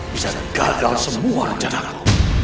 bisa gagal semua rejanaku